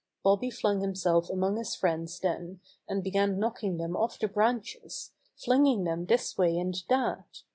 Bobby flung himself among his friends then and began knocking them off the branches, flinging them this way and that.